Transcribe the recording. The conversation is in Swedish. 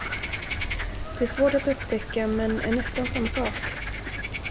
Det är svårt att upptäcka, men är nästan samma sak.